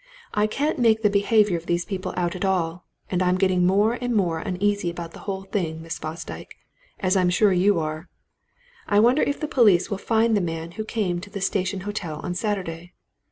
I can't make the behaviour of these people out at all and I'm getting more and more uneasy about the whole thing, Miss Fosdyke as I'm sure you are. I wonder if the police will find the man who came to the Station Hotel on Saturday?